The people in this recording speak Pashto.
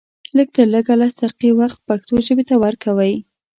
لږ تر لږه لس دقيقې وخت پښتو ژبې ته ورکوئ